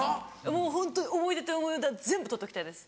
もうホント思い出という思い出は全部取っときたいです